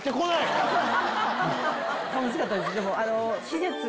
楽しかったです。